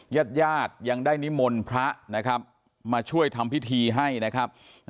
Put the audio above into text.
ญาติญาติยังได้นิมนต์พระนะครับมาช่วยทำพิธีให้นะครับ